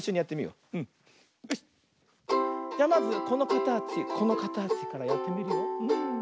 じゃまずこのかたちこのかたちからやってみるよ。